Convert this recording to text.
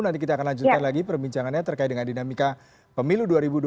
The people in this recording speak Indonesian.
nanti kita akan lanjutkan lagi perbincangannya terkait dengan dinamika pemilu dua ribu dua puluh